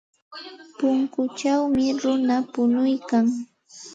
Punkuchawmi runa punuykan.